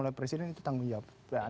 oleh presiden itu tanggung jawab